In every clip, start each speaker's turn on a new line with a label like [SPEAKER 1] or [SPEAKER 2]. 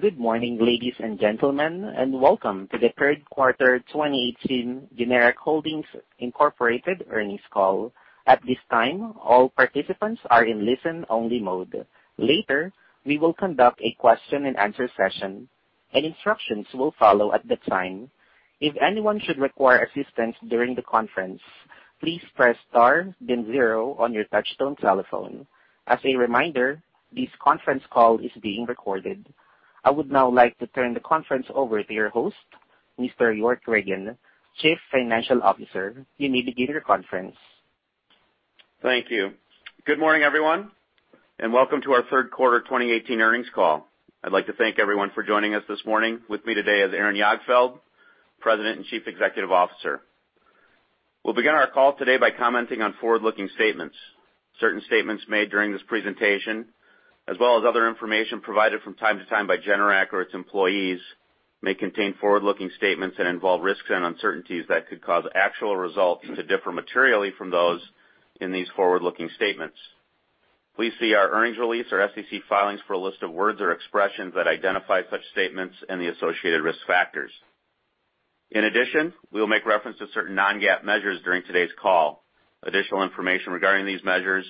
[SPEAKER 1] Good morning, ladies and gentlemen, welcome to the third quarter 2018 Generac Holdings Inc. earnings call. At this time, all participants are in listen-only mode. Later, we will conduct a question and answer session, and instructions will follow at the time. If anyone should require assistance during the conference, please press star then zero on your touch-tone telephone. As a reminder, this conference call is being recorded. I would now like to turn the conference over to your host, Mr. York Ragen, Chief Financial Officer. You may begin your conference.
[SPEAKER 2] Thank you. Good morning, everyone, welcome to our third quarter 2018 earnings call. I'd like to thank everyone for joining us this morning. With me today is Aaron Jagdfeld, President and Chief Executive Officer. We'll begin our call today by commenting on forward-looking statements. Certain statements made during this presentation, as well as other information provided from time to time by Generac or its employees, may contain forward-looking statements and involve risks and uncertainties that could cause actual results to differ materially from those in these forward-looking statements. Please see our earnings release or SEC filings for a list of words or expressions that identify such statements and the associated risk factors. In addition, we will make reference to certain non-GAAP measures during today's call. Additional information regarding these measures,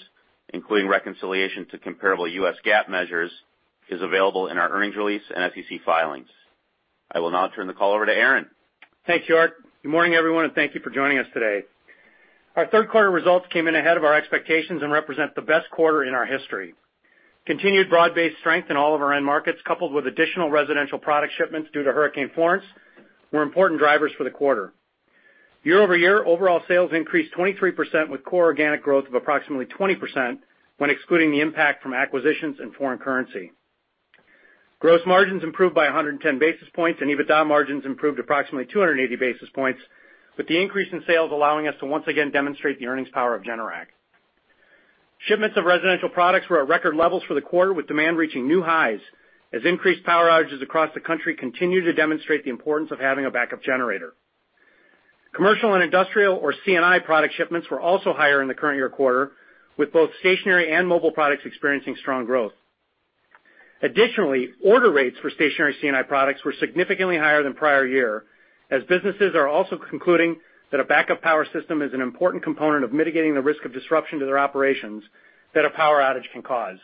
[SPEAKER 2] including reconciliation to comparable US GAAP measures, is available in our earnings release and SEC filings. I will now turn the call over to Aaron.
[SPEAKER 3] Thanks, York. Good morning, everyone, thank you for joining us today. Our third quarter results came in ahead of our expectations and represent the best quarter in our history. Continued broad-based strength in all of our end markets, coupled with additional residential product shipments due to Hurricane Florence, were important drivers for the quarter. Year-over-year, overall sales increased 23% with core organic growth of approximately 20% when excluding the impact from acquisitions and foreign currency. Gross margins improved by 110 basis points, and EBITDA margins improved approximately 280 basis points, with the increase in sales allowing us to once again demonstrate the earnings power of Generac. Shipments of residential products were at record levels for the quarter, with demand reaching new highs as increased power outages across the country continue to demonstrate the importance of having a backup generator. Commercial and industrial, or C&I, product shipments were also higher in the current year quarter, with both stationary and mobile products experiencing strong growth. Additionally, order rates for stationary C&I products were significantly higher than prior year, as businesses are also concluding that a backup power system is an important component of mitigating the risk of disruption to their operations that a power outage can cause.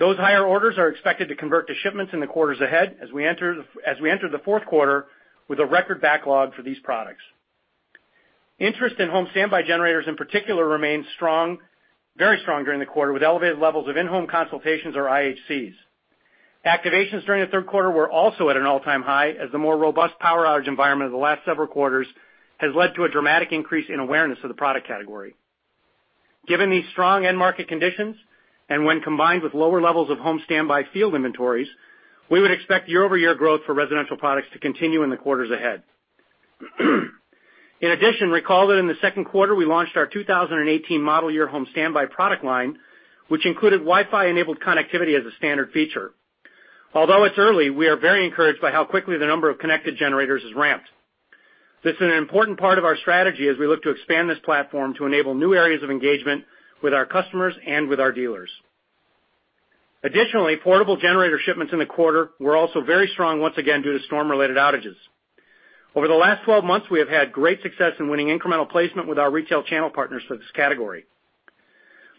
[SPEAKER 3] Those higher orders are expected to convert to shipments in the quarters ahead as we enter the fourth quarter with a record backlog for these products. Interest in home standby generators in particular remained very strong during the quarter, with elevated levels of in-home consultations or IHCs. Activations during the third quarter were also at an all-time high, as the more robust power outage environment of the last several quarters has led to a dramatic increase in awareness of the product category. Given these strong end-market conditions, and when combined with lower levels of home standby field inventories, we would expect year-over-year growth for residential products to continue in the quarters ahead. In addition, recall that in the second quarter, we launched our 2018 model year home standby product line, which included Wi-Fi enabled connectivity as a standard feature. Although it's early, we are very encouraged by how quickly the number of connected generators has ramped. This is an important part of our strategy as we look to expand this platform to enable new areas of engagement with our customers and with our dealers. Additionally, portable generator shipments in the quarter were also very strong, once again due to storm-related outages. Over the last 12 months, we have had great success in winning incremental placement with our retail channel partners for this category.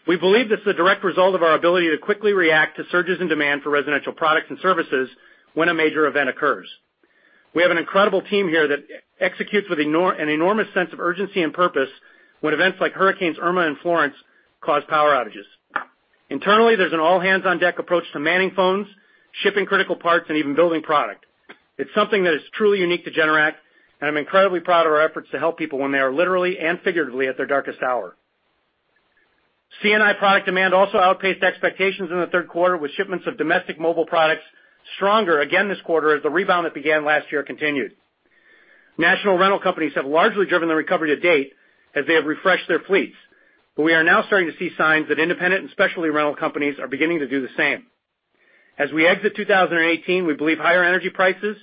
[SPEAKER 3] We believe this is a direct result of our ability to quickly react to surges in demand for residential products and services when a major event occurs. We have an incredible team here that executes with an enormous sense of urgency and purpose when events like Hurricane Irma and Hurricane Florence cause power outages. Internally, there's an all-hands-on-deck approach to manning phones, shipping critical parts, and even building product. It's something that is truly unique to Generac, and I'm incredibly proud of our efforts to help people when they are literally and figuratively at their darkest hour. C&I product demand also outpaced expectations in the third quarter, with shipments of domestic mobile products stronger again this quarter as the rebound that began last year continued. National rental companies have largely driven the recovery to date as they have refreshed their fleets, we are now starting to see signs that independent and specialty rental companies are beginning to do the same. As we exit 2018, we believe higher energy prices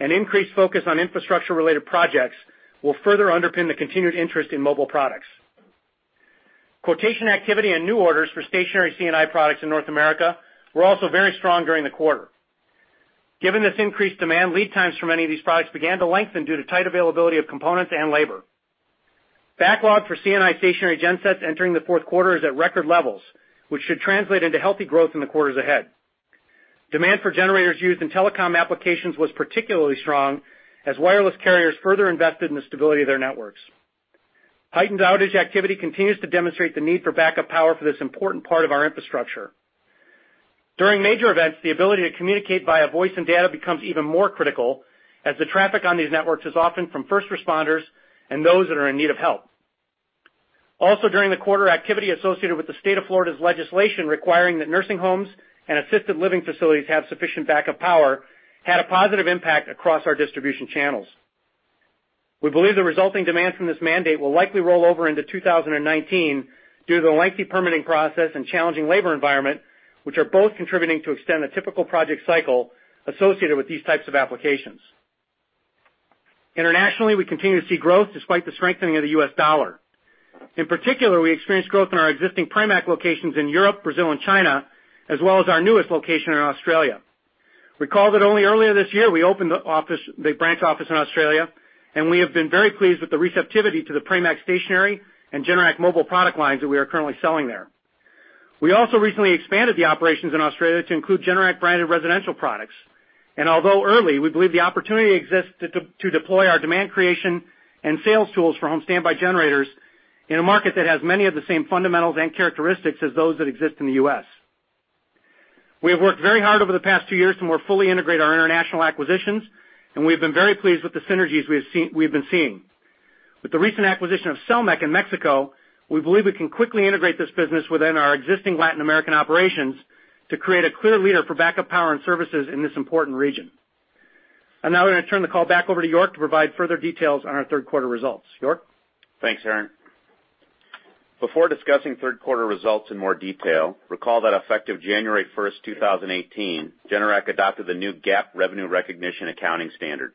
[SPEAKER 3] and increased focus on infrastructure-related projects will further underpin the continued interest in mobile products. Quotation activity and new orders for stationary C&I products in North America were also very strong during the quarter. Given this increased demand, lead times for many of these products began to lengthen due to tight availability of components and labor. Backlog for C&I stationary gensets entering the fourth quarter is at record levels, which should translate into healthy growth in the quarters ahead. Demand for generators used in telecom applications was particularly strong as wireless carriers further invested in the stability of their networks. Heightened outage activity continues to demonstrate the need for backup power for this important part of our infrastructure. During major events, the ability to communicate via voice and data becomes even more critical as the traffic on these networks is often from first responders and those that are in need of help. Also during the quarter, activity associated with the state of Florida's legislation requiring that nursing homes and assisted living facilities have sufficient backup power had a positive impact across our distribution channels. We believe the resulting demand from this mandate will likely roll over into 2019 due to the lengthy permitting process and challenging labor environment, which are both contributing to extend the typical project cycle associated with these types of applications. Internationally, we continue to see growth despite the strengthening of the U.S. dollar. In particular, we experienced growth in our existing Pramac locations in Europe, Brazil, and China, as well as our newest location in Australia. Recall that only earlier this year, we opened the branch office in Australia, and we have been very pleased with the receptivity to the Pramac stationary and Generac mobile product lines that we are currently selling there. We also recently expanded the operations in Australia to include Generac branded residential products. Although early, we believe the opportunity exists to deploy our demand creation and sales tools for home standby generators in a market that has many of the same fundamentals and characteristics as those that exist in the U.S. We have worked very hard over the past two years to more fully integrate our international acquisitions, we've been very pleased with the synergies we have been seeing. With the recent acquisition of Selmec in Mexico, we believe we can quickly integrate this business within our existing Latin American operations to create a clear leader for backup power and services in this important region. I'm now going to turn the call back over to York to provide further details on our third quarter results. York?
[SPEAKER 2] Thanks, Aaron. Before discussing third quarter results in more detail, recall that effective January first, 2018, Generac adopted the new GAAP revenue recognition accounting standard.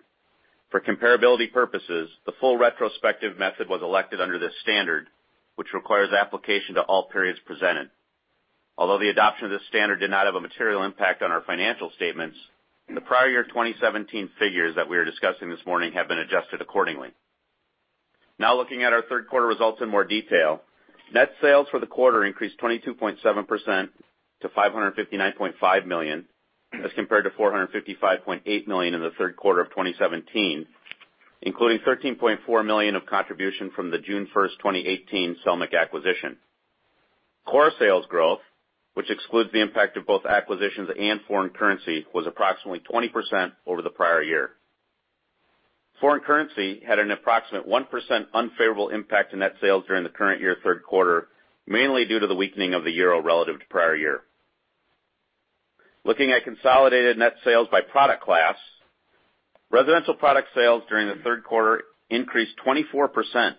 [SPEAKER 2] For comparability purposes, the full retrospective method was elected under this standard, which requires application to all periods presented. Although the adoption of this standard did not have a material impact on our financial statements, the prior year 2017 figures that we are discussing this morning have been adjusted accordingly. Looking at our third quarter results in more detail, net sales for the quarter increased 22.7% to $559.5 million, as compared to $455.8 million in the third quarter of 2017, including $13.4 million of contribution from the June first, 2018 Selmec acquisition. Core sales growth, which excludes the impact of both acquisitions and foreign currency, was approximately 20% over the prior year. Foreign currency had an approximate 1% unfavorable impact to net sales during the current year third quarter, mainly due to the weakening of the euro relative to prior year. Looking at consolidated net sales by product class, residential product sales during the third quarter increased 24%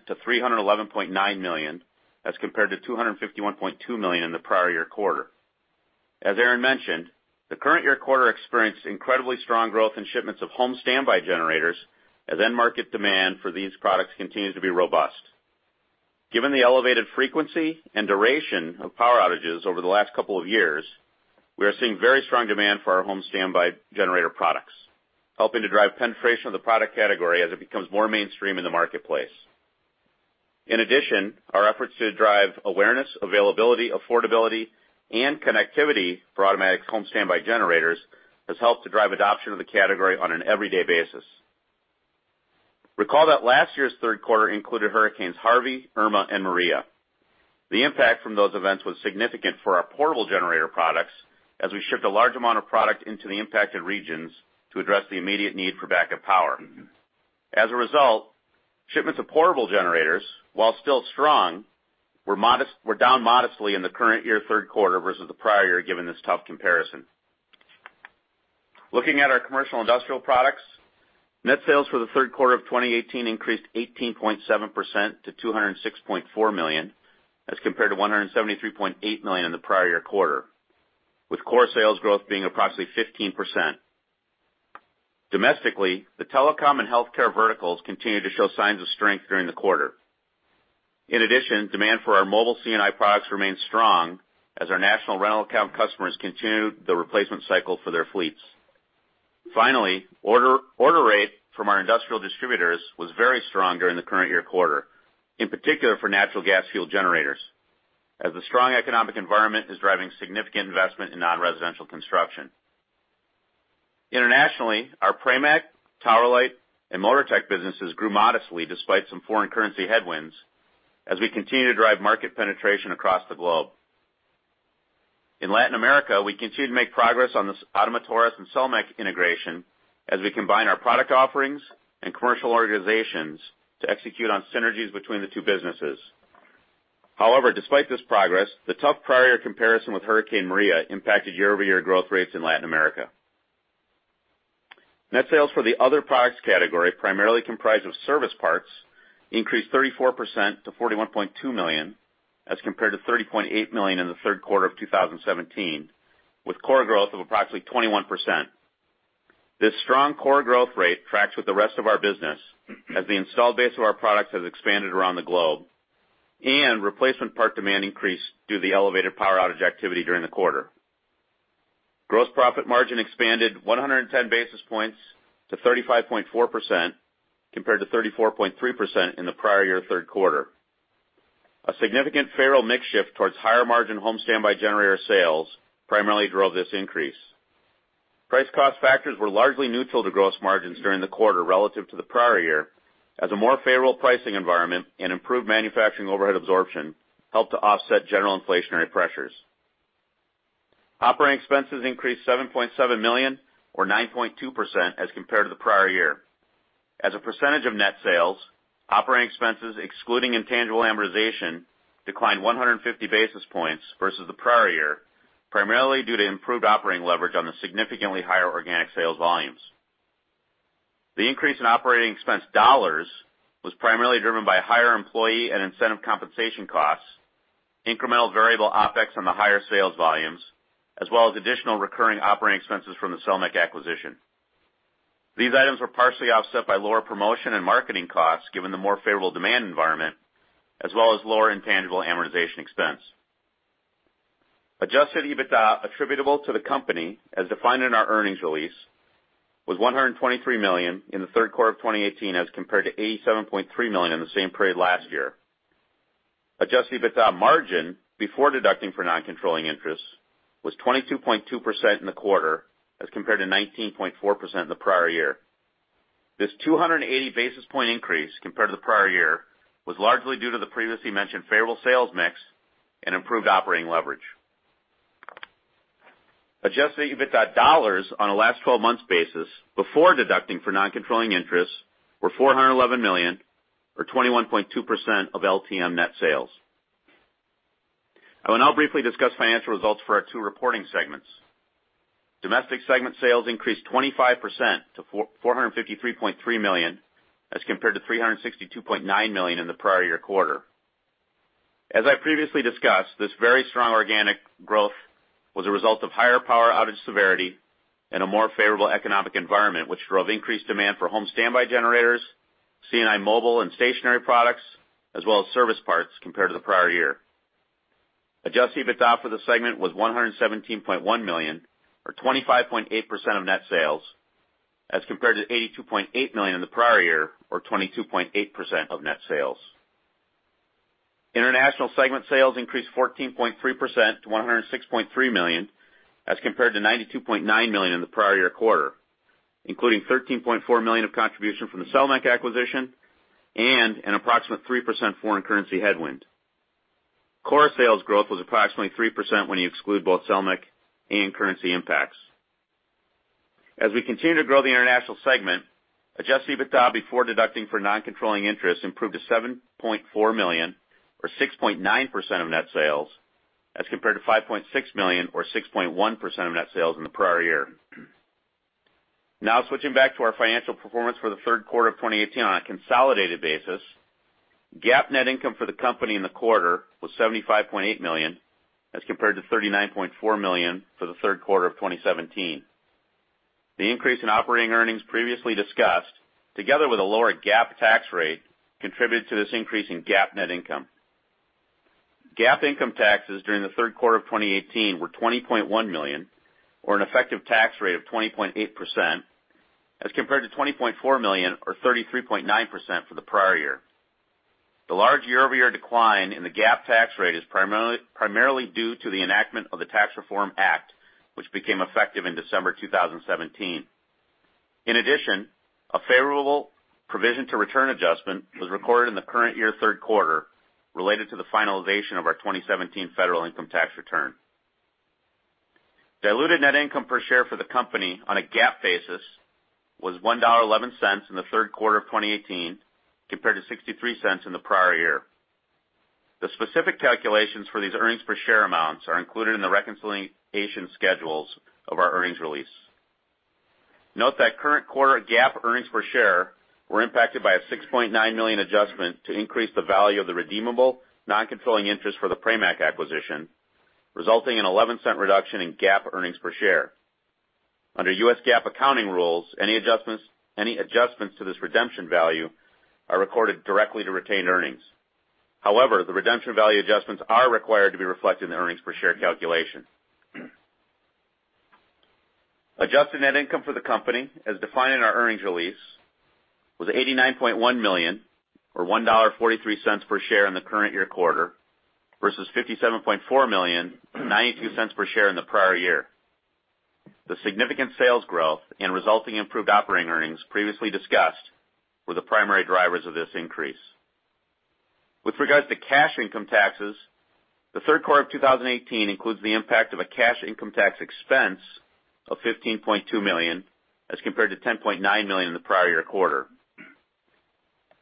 [SPEAKER 2] to $311.9 million, as compared to $251.2 million in the prior year quarter. As Aaron mentioned, the current year quarter experienced incredibly strong growth in shipments of home standby generators as end market demand for these products continues to be robust. Given the elevated frequency and duration of power outages over the last couple of years, we are seeing very strong demand for our home standby generator products, helping to drive penetration of the product category as it becomes more mainstream in the marketplace. In addition, our efforts to drive awareness, availability, affordability, and connectivity for automatic home standby generators has helped to drive adoption of the category on an everyday basis. Recall that last year's third quarter included hurricanes Harvey, Irma, and Maria. The impact from those events was significant for our portable generator products, as we shipped a large amount of product into the impacted regions to address the immediate need for backup power. As a result, shipments of portable generators, while still strong, were down modestly in the current year third quarter versus the prior year, given this tough comparison. Looking at our commercial industrial products, net sales for the third quarter of 2018 increased 18.7% to $206.4 million, as compared to $173.8 million in the prior year quarter, with core sales growth being approximately 15%. Domestically, the telecom and healthcare verticals continued to show signs of strength during the quarter. In addition, demand for our mobile C&I products remained strong as our national rental account customers continued the replacement cycle for their fleets. Finally, order rate from our industrial distributors was very strong during the current year quarter, in particular for natural gas-fueled generators, as the strong economic environment is driving significant investment in non-residential construction. Internationally, our Pramac, Tower Light, and Motortech businesses grew modestly despite some foreign currency headwinds as we continue to drive market penetration across the globe. In Latin America, we continue to make progress on this Ottomotores and Selmec integration as we combine our product offerings and commercial organizations to execute on synergies between the two businesses. However, despite this progress, the tough prior year comparison with Hurricane Maria impacted year-over-year growth rates in Latin America. Net sales for the other products category, primarily comprised of service parts, increased 34% to $41.2 million, as compared to $30.8 million in the third quarter of 2017, with core growth of approximately 21%. This strong core growth rate tracks with the rest of our business as the installed base of our products has expanded around the globe and replacement part demand increased due to the elevated power outage activity during the quarter. Gross profit margin expanded 110 basis points to 35.4%, compared to 34.3% in the prior year third quarter. A significant favorable mix shift towards higher margin home standby generator sales primarily drove this increase. Price cost factors were largely neutral to gross margins during the quarter relative to the prior year, as a more favorable pricing environment and improved manufacturing overhead absorption helped to offset general inflationary pressures. Operating expenses increased $7.7 million or 9.2% as compared to the prior year. As a percentage of net sales, operating expenses excluding intangible amortization declined 150 basis points versus the prior year, primarily due to improved operating leverage on the significantly higher organic sales volumes. The increase in operating expense dollars was primarily driven by higher employee and incentive compensation costs. Incremental variable OpEx on the higher sales volumes, as well as additional recurring operating expenses from the Selmec acquisition. These items were partially offset by lower promotion and marketing costs, given the more favorable demand environment, as well as lower intangible amortization expense. Adjusted EBITDA attributable to the company, as defined in our earnings release, was $123 million in the third quarter of 2018 as compared to $87.3 million in the same period last year. Adjusted EBITDA margin before deducting for non-controlling interests was 22.2% in the quarter as compared to 19.4% in the prior year. This 280 basis point increase compared to the prior year was largely due to the previously mentioned favorable sales mix and improved operating leverage. Adjusted EBITDA dollars on a last 12 months basis before deducting for non-controlling interests were $411 million or 21.2% of LTM net sales. I will now briefly discuss financial results for our two reporting segments. Domestic segment sales increased 25% to $453.3 million as compared to $362.9 million in the prior year quarter. As I previously discussed, this very strong organic growth was a result of higher power outage severity and a more favorable economic environment, which drove increased demand for home standby generators, C&I mobile and stationary products, as well as service parts compared to the prior year. Adjusted EBITDA for the segment was $117.1 million or 25.8% of net sales as compared to $82.8 million in the prior year, or 22.8% of net sales. International segment sales increased 14.3% to $106.3 million as compared to $92.9 million in the prior year quarter, including $13.4 million of contribution from the Selmec acquisition and an approximate 3% foreign currency headwind. Core sales growth was approximately 3% when you exclude both Selmec and currency impacts. As we continue to grow the international segment, adjusted EBITDA before deducting for non-controlling interest improved to $7.4 million or 6.9% of net sales as compared to $5.6 million or 6.1% of net sales in the prior year. Now switching back to our financial performance for the third quarter of 2018 on a consolidated basis. GAAP net income for the company in the quarter was $75.8 million as compared to $39.4 million for the third quarter of 2017. The increase in operating earnings previously discussed, together with a lower GAAP tax rate, contributed to this increase in GAAP net income. GAAP income taxes during the third quarter of 2018 were $20.1 million or an effective tax rate of 20.8% as compared to $20.4 million or 33.9% for the prior year. The large year-over-year decline in the GAAP tax rate is primarily due to the enactment of the Tax Reform Act, which became effective in December 2017. In addition, a favorable provision to return adjustment was recorded in the current year third quarter related to the finalization of our 2017 federal income tax return. Diluted net income per share for the company on a GAAP basis was $1.11 in the third quarter of 2018 compared to $0.63 in the prior year. The specific calculations for these earnings per share amounts are included in the reconciliation schedules of our earnings release. Note that current quarter GAAP earnings per share were impacted by a $6.9 million adjustment to increase the value of the redeemable non-controlling interest for the Pramac acquisition, resulting in an $0.11 reduction in GAAP earnings per share. Under US GAAP accounting rules, any adjustments to this redemption value are recorded directly to retained earnings. The redemption value adjustments are required to be reflected in the earnings per share calculation. Adjusted net income for the company, as defined in our earnings release, was $89.1 million or $1.43 per share in the current year quarter versus $57.4 million, $0.92 per share in the prior year. The significant sales growth and resulting improved operating earnings previously discussed were the primary drivers of this increase. With regards to cash income taxes, the third quarter of 2018 includes the impact of a cash income tax expense of $15.2 million as compared to $10.9 million in the prior year quarter.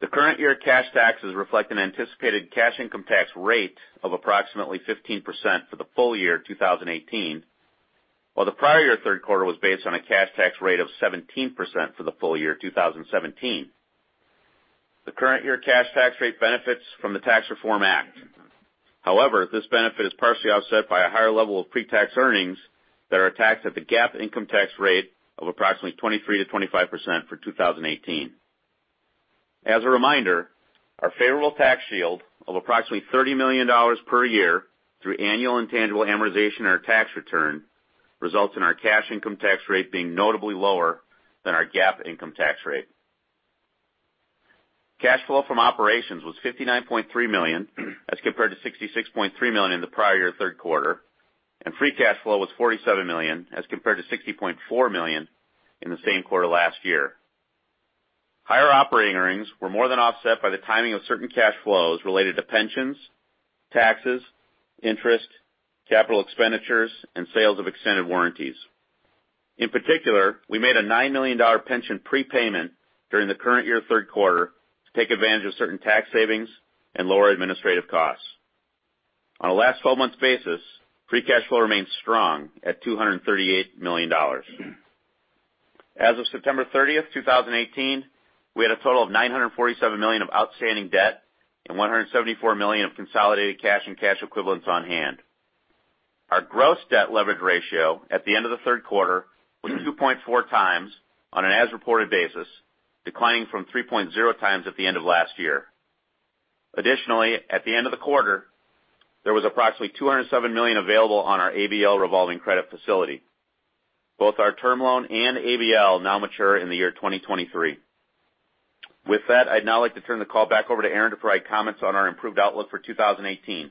[SPEAKER 2] The current year cash taxes reflect an anticipated cash income tax rate of approximately 15% for the full year 2018, while the prior year third quarter was based on a cash tax rate of 17% for the full year 2017. The current year cash tax rate benefits from the Tax Reform Act. This benefit is partially offset by a higher level of pre-tax earnings that are taxed at the GAAP income tax rate of approximately 23%-25% for 2018. As a reminder, our favorable tax shield of approximately $30 million per year through annual intangible amortization in our tax return results in our cash income tax rate being notably lower than our GAAP income tax rate. Cash flow from operations was $59.3 million as compared to $66.3 million in the prior year third quarter, and free cash flow was $47 million as compared to $60.4 million in the same quarter last year. Higher operating earnings were more than offset by the timing of certain cash flows related to pensions, taxes, interest, capital expenditures, and sales of extended warranties. In particular, we made a $9 million pension prepayment during the current year third quarter to take advantage of certain tax savings and lower administrative costs. On a last 12 months basis, free cash flow remains strong at $238 million. As of September 30th, 2018, we had a total of $947 million of outstanding debt and $174 million of consolidated cash and cash equivalents on hand. Our gross debt leverage ratio at the end of the third quarter was 2.4 times on an as-reported basis, declining from 3.0 times at the end of last year. Additionally, at the end of the quarter, there was approximately $207 million available on our ABL revolving credit facility. Both our term loan and ABL now mature in the year 2023. With that, I'd now like to turn the call back over to Aaron to provide comments on our improved outlook for 2018.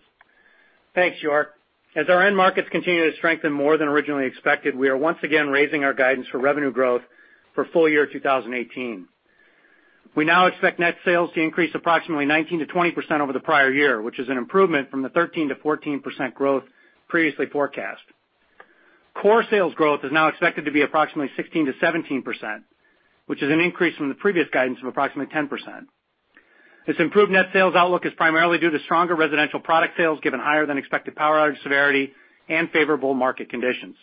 [SPEAKER 3] Thanks, York. As our end markets continue to strengthen more than originally expected, we are once again raising our guidance for revenue growth for full year 2018. We now expect net sales to increase approximately 19%-20% over the prior year, which is an improvement from the 13%-14% growth previously forecast. Core sales growth is now expected to be approximately 16%-17%, which is an increase from the previous guidance of approximately 10%. This improved net sales outlook is primarily due to stronger residential product sales, given higher than expected power outage severity and favorable market conditions.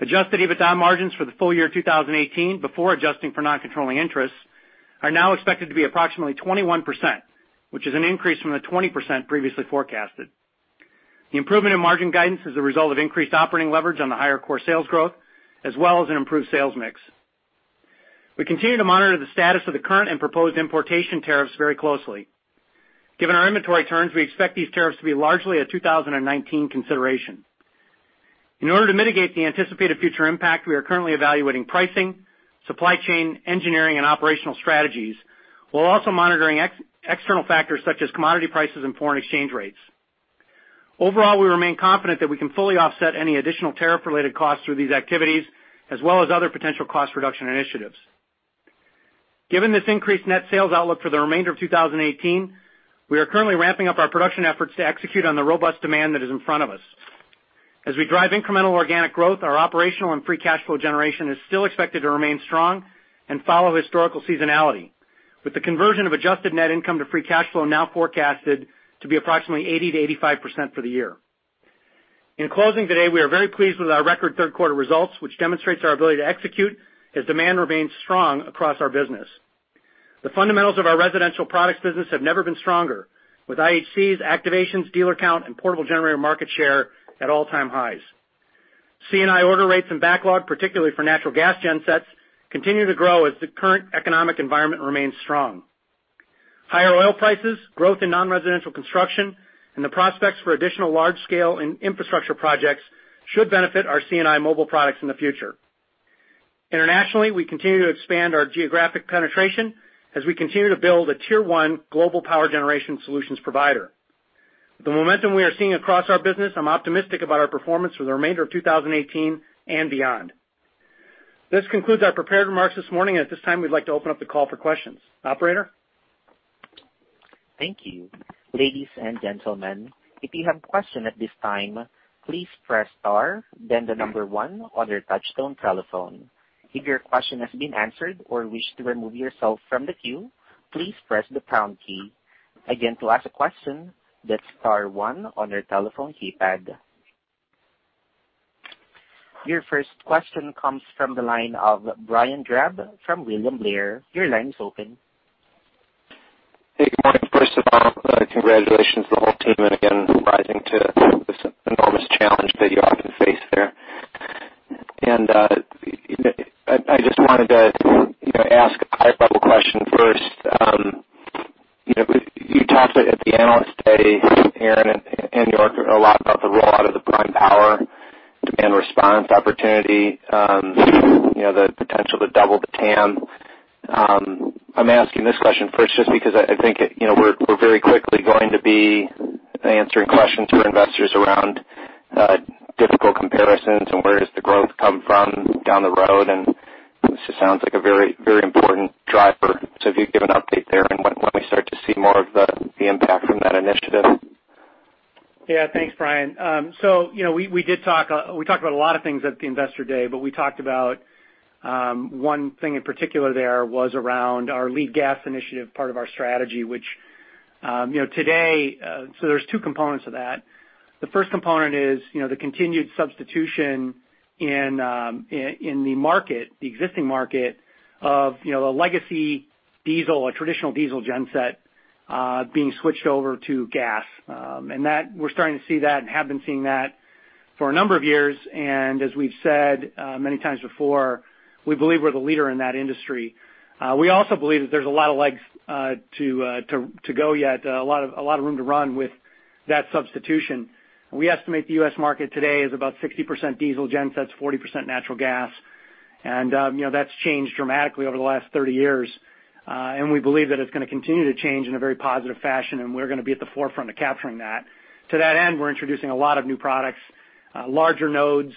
[SPEAKER 3] Adjusted EBITDA margins for the full year 2018, before adjusting for non-controlling interests, are now expected to be approximately 21%, which is an increase from the 20% previously forecasted. The improvement in margin guidance is a result of increased operating leverage on the higher core sales growth as well as an improved sales mix. We continue to monitor the status of the current and proposed importation tariffs very closely. Given our inventory turns, we expect these tariffs to be largely a 2019 consideration. In order to mitigate the anticipated future impact, we are currently evaluating pricing, supply chain, engineering, and operational strategies, while also monitoring external factors such as commodity prices and foreign exchange rates. Overall, we remain confident that we can fully offset any additional tariff-related costs through these activities, as well as other potential cost reduction initiatives. Given this increased net sales outlook for the remainder of 2018, we are currently ramping up our production efforts to execute on the robust demand that is in front of us. As we drive incremental organic growth, our operational and free cash flow generation is still expected to remain strong and follow historical seasonality, with the conversion of adjusted net income to free cash flow now forecasted to be approximately 80%-85% for the year. In closing today, we are very pleased with our record third quarter results, which demonstrates our ability to execute as demand remains strong across our business. The fundamentals of our residential products business have never been stronger with IHCs activations dealer count and portable generator market share at all-time highs. C&I order rates and backlog, particularly for natural gas gensets, continue to grow as the current economic environment remains strong. Higher oil prices, growth in non-residential construction, and the prospects for additional large-scale infrastructure projects should benefit our C&I mobile products in the future. Internationally, we continue to expand our geographic penetration as we continue to build a tier 1 global power generation solutions provider. With the momentum we are seeing across our business, I'm optimistic about our performance for the remainder of 2018 and beyond. This concludes our prepared remarks this morning. At this time, we'd like to open up the call for questions. Operator?
[SPEAKER 1] Thank you. Ladies and gentlemen, if you have a question at this time, please press star then the number 1 on your touchtone telephone. If your question has been answered or wish to remove yourself from the queue, please press the pound key. Again, to ask a question, that's star 1 on your telephone keypad. Your first question comes from the line of Brian Drab from William Blair. Your line is open.
[SPEAKER 4] Hey, good morning. First of all, congratulations to the whole team, again, rising to this enormous challenge that you often face there. I just wanted to ask a high-level question first. You talked at the Analyst Day, Aaron and York, a lot about the rollout of the prime power demand response opportunity, the potential to double the TAM. I'm asking this question first just because I think we're very quickly going to be answering questions from investors around difficult comparisons and where does the growth come from down the road. This just sounds like a very important driver. If you could give an update there and when we start to see more of the impact from that initiative.
[SPEAKER 3] Yeah. Thanks, Brian. We talked about a lot of things at the Investor Day. We talked about one thing in particular there was around our Lead Gas initiative, part of our strategy. There's two components of that. The first component is the continued substitution in the existing market of a legacy diesel or traditional diesel genset being switched over to gas. That we're starting to see that and have been seeing that for a number of years, and as we've said many times before, we believe we're the leader in that industry. We also believe that there's a lot of legs to go yet, a lot of room to run with that substitution. We estimate the U.S. market today is about 60% diesel gensets, 40% natural gas, and that's changed dramatically over the last 30 years. We believe that it's going to continue to change in a very positive fashion, and we're going to be at the forefront of capturing that. To that end, we're introducing a lot of new products, larger nodes,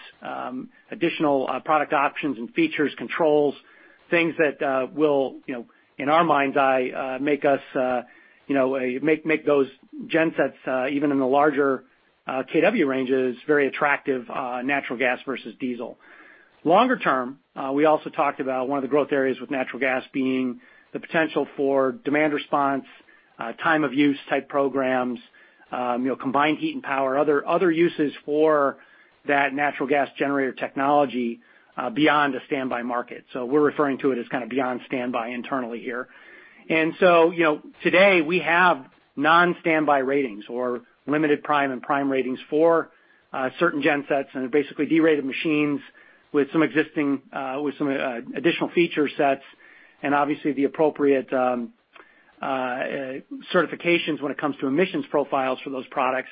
[SPEAKER 3] additional product options and features, controls, things that will, in our mind's eye, make those gensets even in the larger kW ranges, very attractive natural gas versus diesel. Longer term, we also talked about one of the growth areas with natural gas being the potential for demand response, time of use type programs, combined heat and power, other uses for that natural gas generator technology beyond a standby market. We're referring to it as kind of beyond standby internally here. Today we have non-standby ratings or limited prime and prime ratings for certain gensets and basically derated machines with some additional feature sets and obviously the appropriate certifications when it comes to emissions profiles for those products.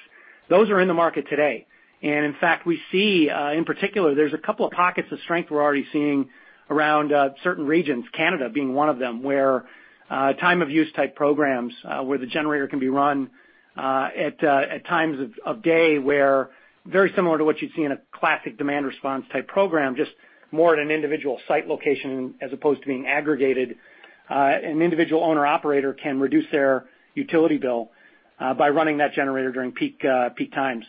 [SPEAKER 3] Those are in the market today. In fact, we see, in particular, there's a couple of pockets of strength we're already seeing around certain regions, Canada being one of them, where time of use type programs where the generator can be run at times of day where very similar to what you'd see in a classic demand response type program, just more at an individual site location as opposed to being aggregated. An individual owner operator can reduce their utility bill by running that generator during peak times.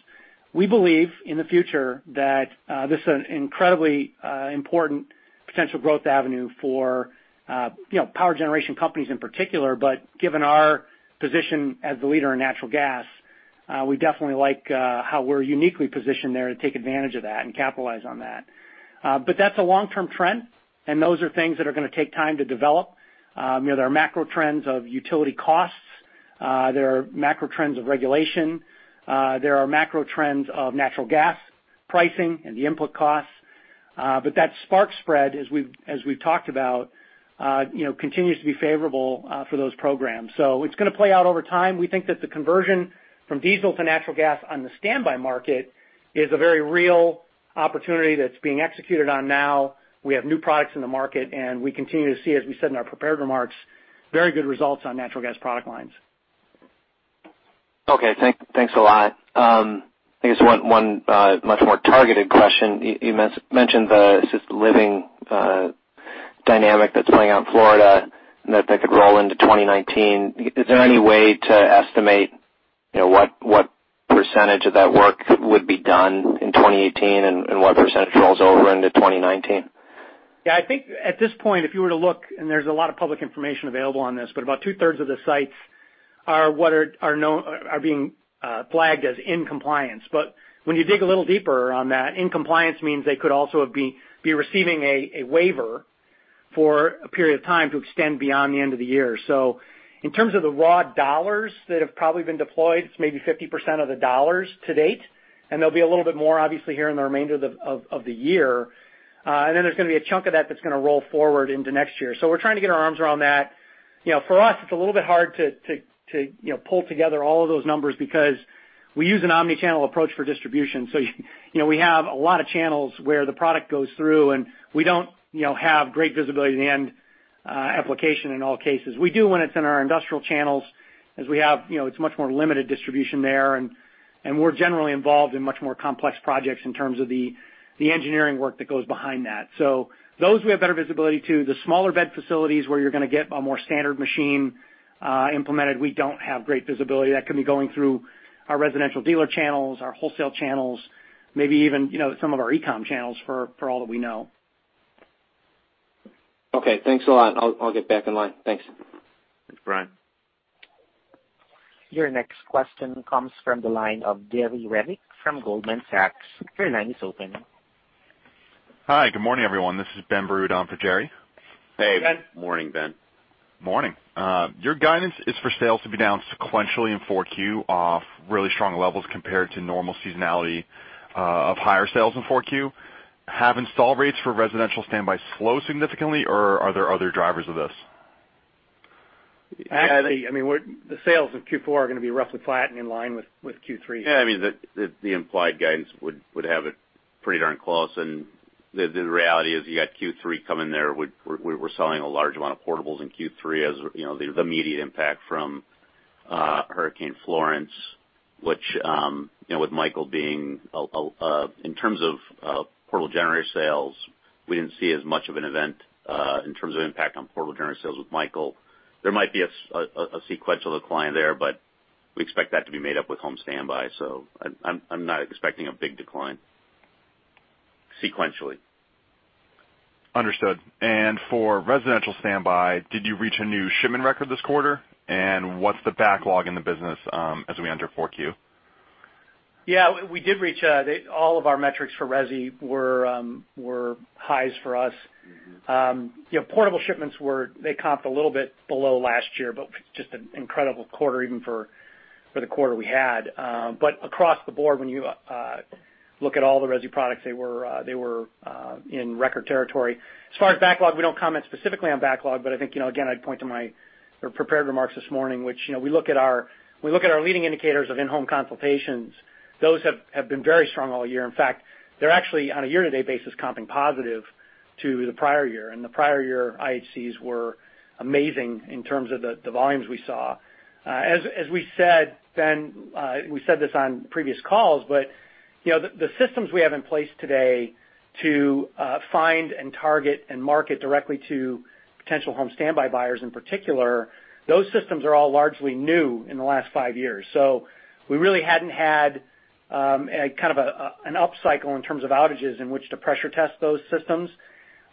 [SPEAKER 3] We believe in the future that this is an incredibly important potential growth avenue for power generation companies in particular. Given our position as the leader in natural gas, we definitely like how we're uniquely positioned there to take advantage of that and capitalize on that. That's a long-term trend, and those are things that are going to take time to develop. There are macro trends of utility costs. There are macro trends of regulation. There are macro trends of natural gas pricing and the input costs. That spark spread, as we've talked about continues to be favorable for those programs. It's going to play out over time. We think that the conversion from diesel to natural gas on the standby market is a very real opportunity that's being executed on now. We have new products in the market, and we continue to see, as we said in our prepared remarks, very good results on natural gas product lines.
[SPEAKER 4] Okay. Thanks a lot. I guess one much more targeted question. You mentioned the assisted living dynamic that's playing out in Florida and that could roll into 2019. Is there any way to estimate what % of that work would be done in 2018 and what % rolls over into 2019?
[SPEAKER 3] Yeah, I think at this point, if you were to look, and there's a lot of public information available on this, but about two-thirds of the sites are being flagged as in compliance. When you dig a little deeper on that, in compliance means they could also be receiving a waiver for a period of time to extend beyond the end of the year. In terms of the raw dollars that have probably been deployed, it's maybe 50% of the dollars to date, and there'll be a little bit more obviously here in the remainder of the year. There's going to be a chunk of that's going to roll forward into next year. We're trying to get our arms around that. For us, it's a little bit hard to pull together all of those numbers because we use an omni-channel approach for distribution. We have a lot of channels where the product goes through, and we don't have great visibility in the end application in all cases. We do when it's in our industrial channels as it's much more limited distribution there, and we're generally involved in much more complex projects in terms of the engineering work that goes behind that. Those we have better visibility to. The smaller bed facilities where you're going to get a more standard machine implemented, we don't have great visibility. That can be going through our residential dealer channels, our wholesale channels, maybe even some of our e-com channels for all that we know.
[SPEAKER 4] Okay. Thanks a lot. I'll get back in line. Thanks.
[SPEAKER 3] Thanks, Brian.
[SPEAKER 1] Your next question comes from the line of Jerry Revich from Goldman Sachs. Your line is open now.
[SPEAKER 5] Hi, good morning, everyone. This is Ben Brood on for Jerry.
[SPEAKER 3] Hey.
[SPEAKER 2] Morning, Ben.
[SPEAKER 5] Morning. Your guidance is for sales to be down sequentially in 4Q off really strong levels compared to normal seasonality of higher sales in 4Q. Have install rates for residential standby slowed significantly or are there other drivers of this?
[SPEAKER 3] Actually, the sales in Q4 are going to be roughly flat and in line with Q3.
[SPEAKER 2] Yeah, the implied guidance would have it pretty darn close. The reality is you got Q3 coming there. We're selling a large amount of portables in Q3 as the immediate impact from Hurricane Florence, in terms of portable generator sales, we didn't see as much of an event in terms of impact on portable generator sales with Michael. There might be a sequential decline there, but we expect that to be made up with home standby. I'm not expecting a big decline sequentially.
[SPEAKER 5] Understood. For residential standby, did you reach a new shipment record this quarter? What's the backlog in the business as we enter 4Q?
[SPEAKER 3] Yeah, we did reach. All of our metrics for resi were highs for us. Portable shipments comped a little bit below last year, just an incredible quarter even for the quarter we had. Across the board, when you look at all the resi products, they were in record territory. As far as backlog, we don't comment specifically on backlog, but I think, again, I'd point to my prepared remarks this morning, which we look at our leading indicators of in-home consultations. Those have been very strong all year. In fact, they're actually on a year-to-date basis comping positive to the prior year. The prior year IHCs were amazing in terms of the volumes we saw. As we said, Ben, we said this on previous calls, but the systems we have in place today to find and target and market directly to potential home standby buyers in particular, those systems are all largely new in the last 5 years. We really hadn't had and kind of an up cycle in terms of outages in which to pressure test those systems.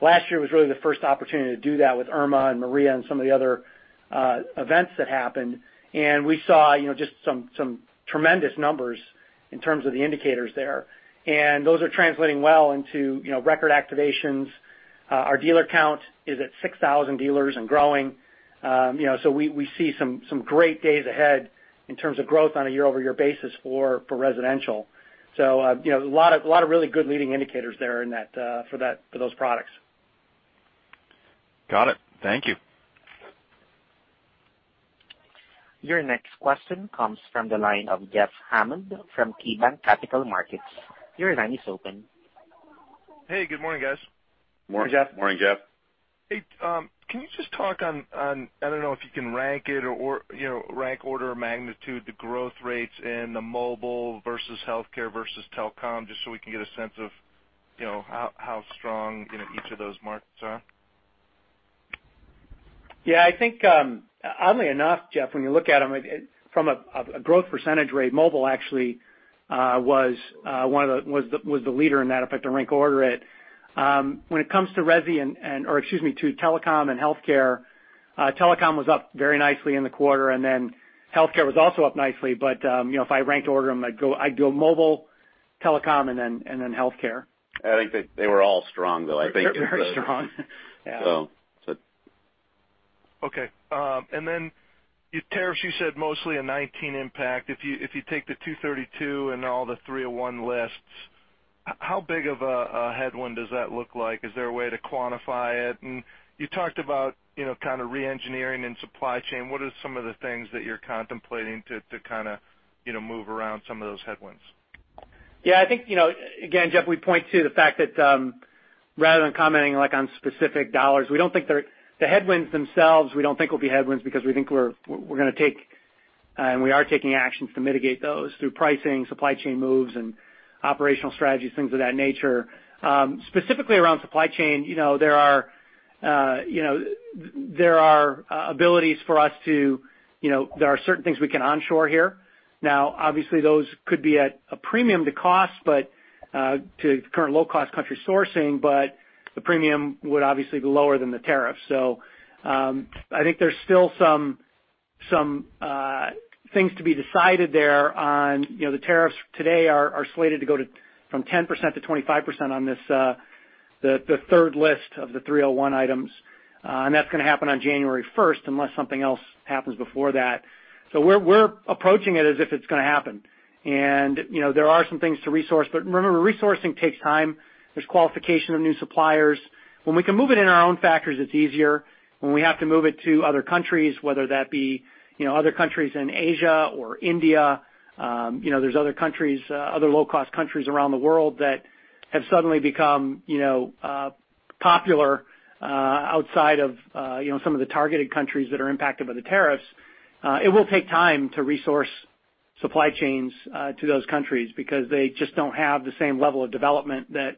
[SPEAKER 3] Last year was really the first opportunity to do that with Irma and Maria and some of the other events that happened, and we saw just some tremendous numbers in terms of the indicators there. Those are translating well into record activations. Our dealer count is at 6,000 dealers and growing. We see some great days ahead in terms of growth on a year-over-year basis for residential. A lot of really good leading indicators there for those products.
[SPEAKER 5] Got it. Thank you.
[SPEAKER 1] Your next question comes from the line of Jeffrey Hammond from KeyBanc Capital Markets. Your line is open.
[SPEAKER 6] Hey, good morning, guys.
[SPEAKER 3] Morning, Jeff.
[SPEAKER 2] Morning, Jeff.
[SPEAKER 6] Hey, can you just talk on, I don't know if you can rank it or rank order of magnitude, the growth rates in the mobile versus healthcare versus telecom, just so we can get a sense of how strong each of those markets are?
[SPEAKER 3] Yeah, I think, oddly enough, Jeff, when you look at them from a growth percentage rate, mobile actually was the leader in that, if I had to rank order it. When it comes to telecom and healthcare, telecom was up very nicely in the quarter, and then healthcare was also up nicely, but if I rank to order them, I'd go mobile, telecom, and then healthcare.
[SPEAKER 2] I think they were all strong, though.
[SPEAKER 3] They're very strong. Yeah.
[SPEAKER 2] So.
[SPEAKER 6] Okay. Then tariffs, you said mostly a 2019 impact. If you take the 232 and all the 301 lists, how big of a headwind does that look like? Is there a way to quantify it? You talked about kind of re-engineering and supply chain. What are some of the things that you're contemplating to kind of move around some of those headwinds?
[SPEAKER 3] Yeah, I think, again, Jeff, we point to the fact that rather than commenting on specific dollars, the headwinds themselves we don't think will be headwinds because we think we're going to take, and we are taking actions to mitigate those through pricing, supply chain moves, and operational strategies, things of that nature. Specifically around supply chain, there are certain things we can onshore here. Now, obviously those could be at a premium to current low-cost country sourcing, but the premium would obviously be lower than the tariff. I think there's still some things to be decided there on the tariffs today are slated to go from 10% to 25% on the third list of the 301 items. That's going to happen on January 1st, unless something else happens before that. We're approaching it as if it's going to happen. There are some things to resource, but remember, resourcing takes time. There's qualification of new suppliers. When we can move it in our own factories, it's easier. When we have to move it to other countries, whether that be other countries in Asia or India, there's other low-cost countries around the world that have suddenly become popular outside of some of the targeted countries that are impacted by the tariffs. It will take time to resource supply chains to those countries because they just don't have the same level of development that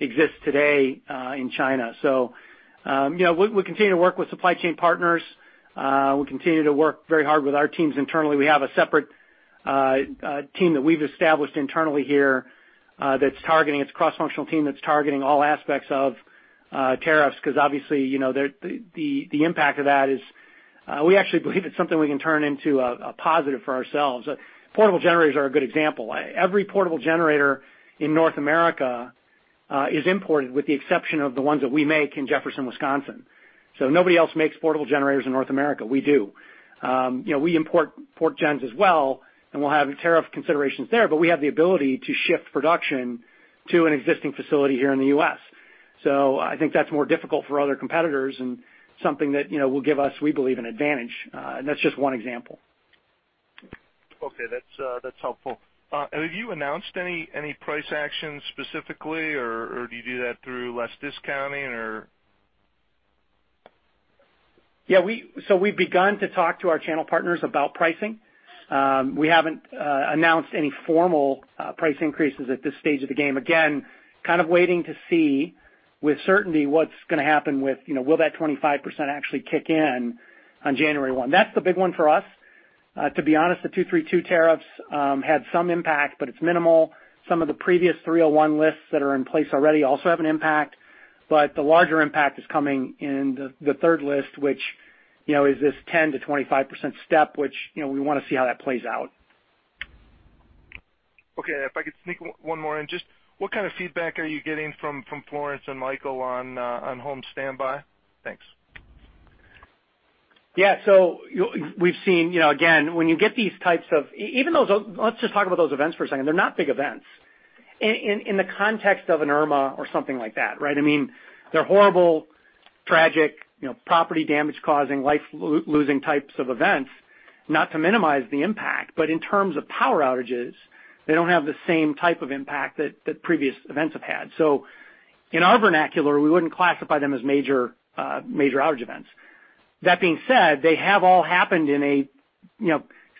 [SPEAKER 3] exists today in China. We'll continue to work with supply chain partners. We'll continue to work very hard with our teams internally. We have a separate team that we've established internally here, it's a cross-functional team that's targeting all aspects of tariffs because obviously, the impact of that is we actually believe it's something we can turn into a positive for ourselves. Portable generators are a good example. Every portable generator in North America is imported with the exception of the ones that we make in Jefferson, Wisconsin. Nobody else makes portable generators in North America. We do. We import gens as well, and we'll have tariff considerations there, but we have the ability to shift production to an existing facility here in the U.S. I think that's more difficult for other competitors and something that will give us, we believe, an advantage. That's just one example.
[SPEAKER 6] Okay, that's helpful. Have you announced any price actions specifically, or do you do that through less discounting or?
[SPEAKER 3] Yeah. We've begun to talk to our channel partners about pricing. We haven't announced any formal price increases at this stage of the game. Again, kind of waiting to see with certainty what's going to happen with will that 25% actually kick in on January 1? That's the big one for us. To be honest, the 232 tariffs had some impact, but it's minimal. Some of the previous 301 lists that are in place already also have an impact, but the larger impact is coming in the third list, which is this 10%-25% step, which we want to see how that plays out.
[SPEAKER 6] Okay. If I could sneak one more in. Just what kind of feedback are you getting from Florence and Michael on home standby? Thanks.
[SPEAKER 3] Yeah. We've seen, again, when you get these. Let's just talk about those events for a second. They're not big events in the context of an Irma or something like that, right? I mean, they're horrible, tragic, property damage-causing, life-losing types of events. Not to minimize the impact, in terms of power outages, they don't have the same type of impact that previous events have had. In our vernacular, we wouldn't classify them as major outage events. That being said, they have all happened in a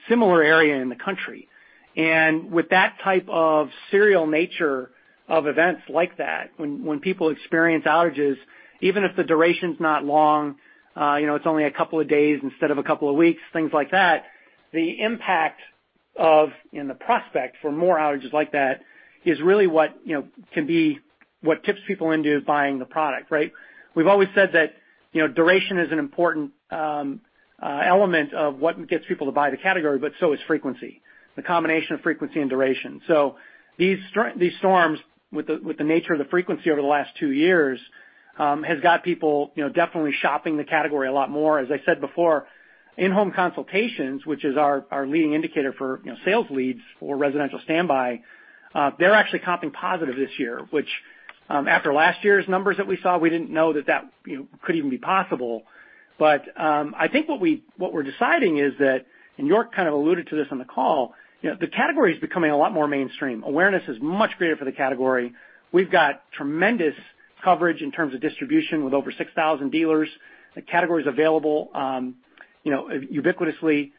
[SPEAKER 3] similar area in the country. With that type of serial nature of events like that, when people experience outages, even if the duration's not long, it's only a couple of days instead of a couple of weeks, things like that. The impact of, and the prospect for more outages like that is really what tips people into buying the product. We've always said that duration is an important element of what gets people to buy the category, so is frequency. The combination of frequency and duration. These storms, with the nature of the frequency over the last two years, has got people definitely shopping the category a lot more. As I said before, in-home consultations, which is our leading indicator for sales leads for residential standby, they're actually comping positive this year, which after last year's numbers that we saw, we didn't know that that could even be possible. I think what we're deciding is that, York kind of alluded to this on the call, the category is becoming a lot more mainstream. Awareness is much greater for the category. We've got tremendous coverage in terms of distribution, with over 6,000 dealers. The category's available ubiquitously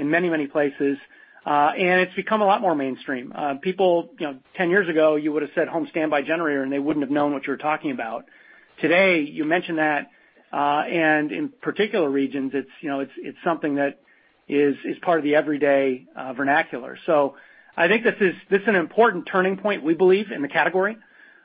[SPEAKER 3] in many, many places. It's become a lot more mainstream. People, 10 years ago, you would've said home standby generator, they wouldn't have known what you were talking about. Today, you mention that, in particular regions, it's something that is part of the everyday vernacular. I think this is an important turning point, we believe, in the category.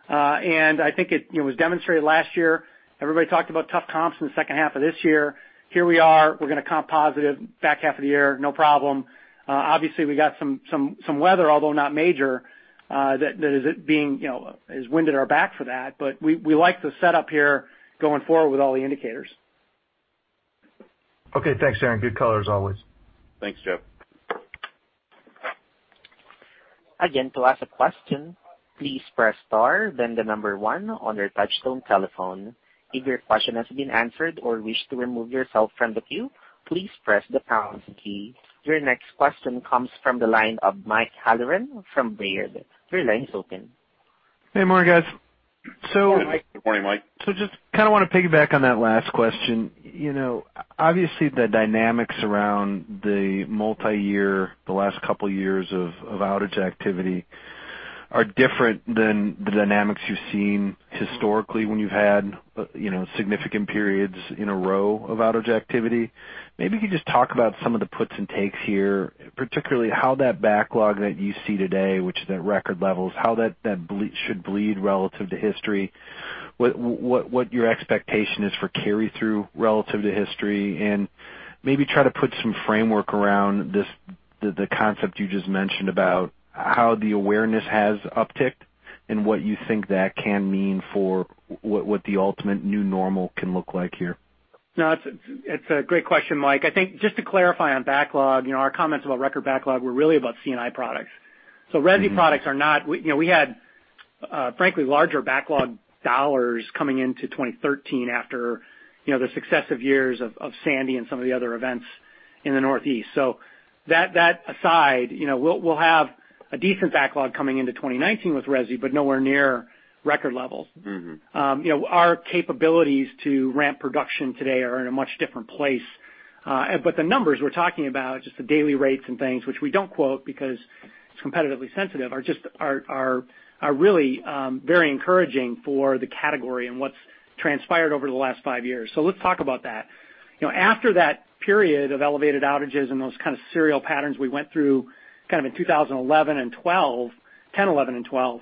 [SPEAKER 3] I think it was demonstrated last year. Everybody talked about tough comps in the second half of this year. Here we are, we're going to comp positive back half of the year, no problem. We got some weather, although not major, that is wind at our back for that. We like the setup here going forward with all the indicators.
[SPEAKER 6] Thanks, Aaron. Good color as always.
[SPEAKER 2] Thanks, Jeff.
[SPEAKER 1] To ask a question, please press star, then the number 1 on your touchtone telephone. If your question has been answered or wish to remove yourself from the queue, please press the pound key. Your next question comes from the line of Mike Halloran from Baird. Your line is open.
[SPEAKER 7] Hey, morning, guys.
[SPEAKER 3] Morning, Mike.
[SPEAKER 2] Good morning, Mike.
[SPEAKER 7] Just kind of want to piggyback on that last question. Obviously, the dynamics around the multiyear, the last couple of years of outage activity are different than the dynamics you've seen historically when you've had significant periods in a row of outage activity. Maybe you could just talk about some of the puts and takes here, particularly how that backlog that you see today, which is at record levels, how that should bleed relative to history. What your expectation is for carry through relative to history, and maybe try to put some framework around the concept you just mentioned about how the awareness has upticked and what you think that can mean for what the ultimate new normal can look like here.
[SPEAKER 3] No, it's a great question, Mike. I think just to clarify on backlog, our comments about record backlog were really about C&I products. resi products are not-- We had, frankly, larger backlog dollars coming into 2013 after the successive years of Sandy and some of the other events in the Northeast. That aside, we'll have a decent backlog coming into 2019 with resi, but nowhere near record levels. Our capabilities to ramp production today are in a much different place. The numbers we're talking about, just the daily rates and things, which we don't quote because it's competitively sensitive, are really very encouraging for the category and what's transpired over the last five years. Let's talk about that. After that period of elevated outages and those kind of serial patterns we went through kind of in 2011, 2010, 2011, and 2012,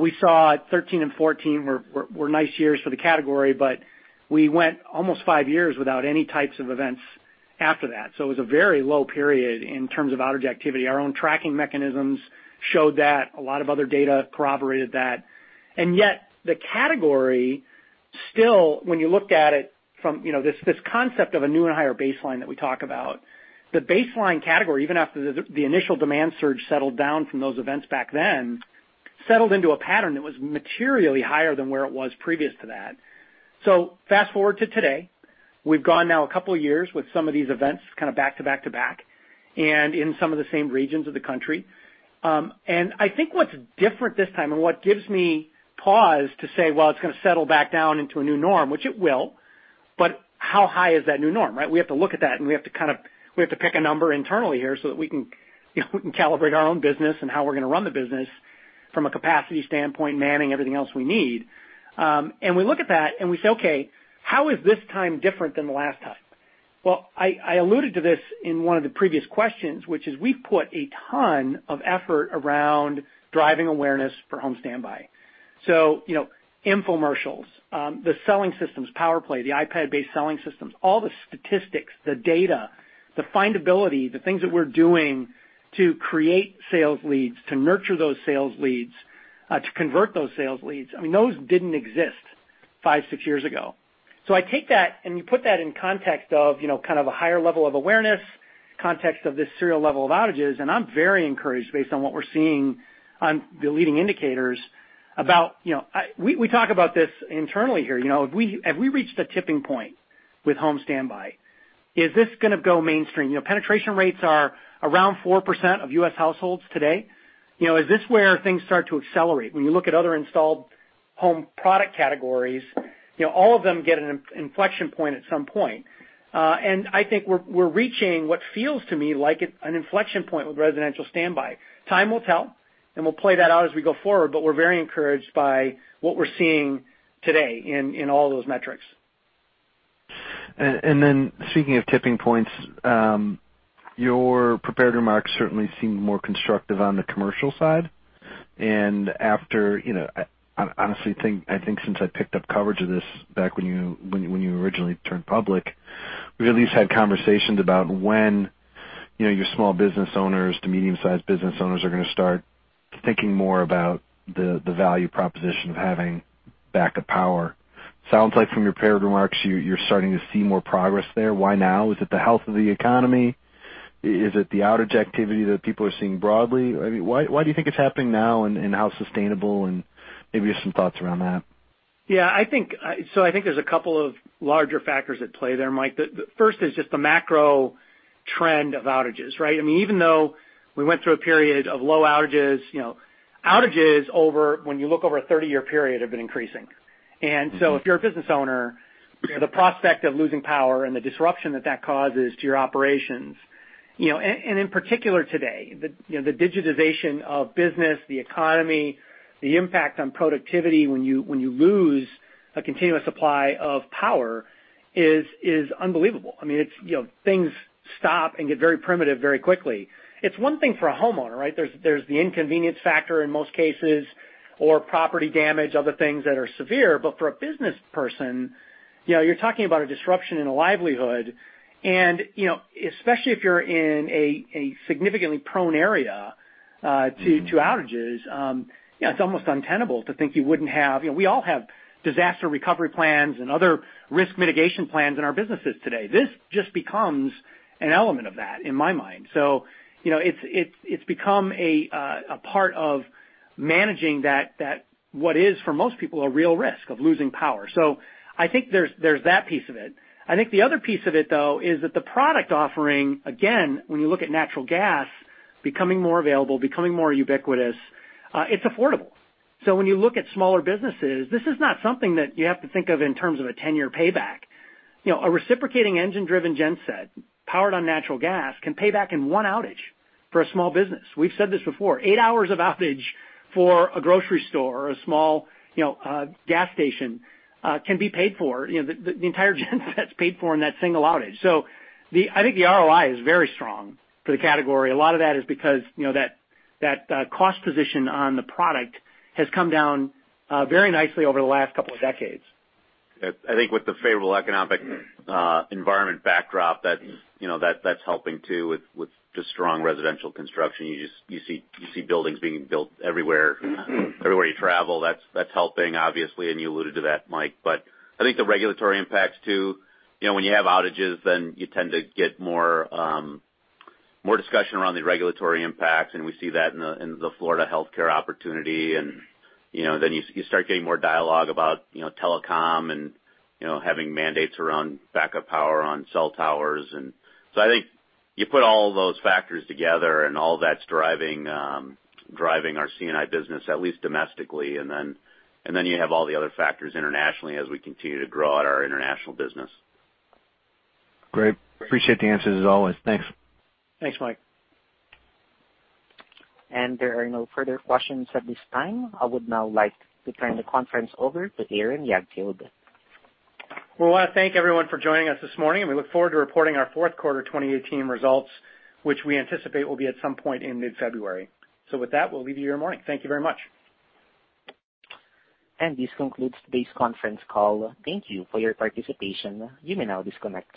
[SPEAKER 3] we saw 2013 and 2014 were nice years for the category, but we went almost five years without any types of events after that. It was a very low period in terms of outage activity. Our own tracking mechanisms showed that. A lot of other data corroborated that. Yet the category still, when you looked at it from this concept of a new and higher baseline that we talk about, the baseline category, even after the initial demand surge settled down from those events back then, settled into a pattern that was materially higher than where it was previous to that. Fast-forward to today, we've gone now a couple years with some of these events kind of back to back to back, and in some of the same regions of the country. I think what's different this time, and what gives me pause to say, well, it's going to settle back down into a new norm, which it will, but how high is that new norm, right? We have to look at that, and we have to pick a number internally here so that we can calibrate our own business and how we're going to run the business from a capacity standpoint, manning everything else we need. We look at that and we say, okay, how is this time different than the last time? Well, I alluded to this in one of the previous questions, which is we've put a ton of effort around driving awareness for home standby. Infomercials, the selling systems, PowerPlay, the iPad-based selling systems, all the statistics, the data, the findability, the things that we're doing to create sales leads, to nurture those sales leads, to convert those sales leads, I mean, those didn't exist five, six years ago. I take that and you put that in context of kind of a higher level of awareness, context of this serial level of outages. I'm very encouraged based on what we're seeing on the leading indicators. We talk about this internally here. Have we reached the tipping point with home standby? Is this going to go mainstream? Penetration rates are around 4% of U.S. households today. Is this where things start to accelerate? When you look at other installed home product categories, all of them get an inflection point at some point. I think we're reaching what feels to me like an inflection point with residential standby. Time will tell, we'll play that out as we go forward, but we're very encouraged by what we're seeing today in all those metrics.
[SPEAKER 7] Speaking of tipping points, your prepared remarks certainly seem more constructive on the commercial side. After, I honestly think since I picked up coverage of this back when you originally turned public, we've at least had conversations about when your small business owners to medium-sized business owners are going to start thinking more about the value proposition of having backup power. Sounds like from your prepared remarks, you're starting to see more progress there. Why now? Is it the health of the economy? Is it the outage activity that people are seeing broadly? Why do you think it's happening now, and how sustainable, and maybe just some thoughts around that?
[SPEAKER 3] I think there's a couple of larger factors at play there, Mike. The first is just the macro trend of outages, right? Even though we went through a period of low outages, when you look over a 30-year period, have been increasing. If you're a business owner, the prospect of losing power and the disruption that that causes to your operations, and in particular today, the digitization of business, the economy, the impact on productivity when you lose a continuous supply of power is unbelievable. Things stop and get very primitive very quickly. It's one thing for a homeowner, right? There's the inconvenience factor in most cases, or property damage, other things that are severe. For a business person, you're talking about a disruption in a livelihood, and especially if you're in a significantly prone area to outages, it's almost untenable to think you wouldn't have. We all have disaster recovery plans and other risk mitigation plans in our businesses today. This just becomes an element of that in my mind. It's become a part of managing that what is, for most people, a real risk of losing power. I think there's that piece of it. I think the other piece of it, though, is that the product offering, again, when you look at natural gas becoming more available, becoming more ubiquitous, it's affordable. When you look at smaller businesses, this is not something that you have to think of in terms of a 10-year payback. A reciprocating engine-driven genset powered on natural gas can pay back in one outage for a small business. We've said this before. Eight hours of outage for a grocery store or a small gas station can be paid for. The entire genset's paid for in that single outage. I think the ROI is very strong for the category. A lot of that is because that cost position on the product has come down very nicely over the last couple of decades.
[SPEAKER 2] I think with the favorable economic environment backdrop, that's helping too with just strong residential construction. You see buildings being built everywhere you travel. That's helping, obviously, and you alluded to that, Mike. I think the regulatory impacts too. When you have outages, then you tend to get more discussion around the regulatory impacts, and we see that in the Florida healthcare opportunity. You start getting more dialogue about telecom and having mandates around backup power on cell towers. I think you put all those factors together, and all that's driving our C&I business, at least domestically. You have all the other factors internationally as we continue to grow out our international business.
[SPEAKER 7] Great. Appreciate the answers as always. Thanks.
[SPEAKER 3] Thanks, Mike.
[SPEAKER 1] There are no further questions at this time. I would now like to turn the conference over to Aaron Jagdfeld.
[SPEAKER 3] We want to thank everyone for joining us this morning, and we look forward to reporting our fourth quarter 2018 results, which we anticipate will be at some point in mid-February. With that, we'll leave you your morning. Thank you very much.
[SPEAKER 1] This concludes today's conference call. Thank you for your participation. You may now disconnect.